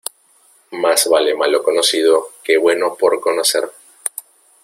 Más vale malo conocido que bueno por conocer.